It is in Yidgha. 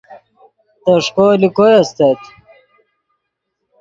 تݰکو لے کوئے استت